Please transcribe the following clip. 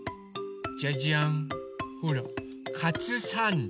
じゃじゃん。ほらカツサンド。